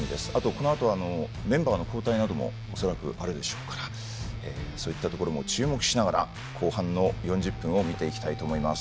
このあとはメンバーの交代なども恐らくあるでしょうからそういったところも注目しながら後半の４０分を見ていきたいと思います。